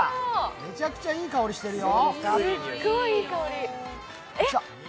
めちゃくちゃいい香りしてるよ。